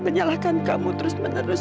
menyalahkan kamu terus menerus